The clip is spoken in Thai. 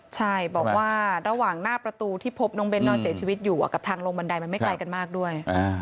ใช่บอกว่าระหว่างหน้าประตูที่พบน้องเน้นนอนเสียชีวิตอยู่กับทางลงบันไดมันไม่ไกลกันมากด้วย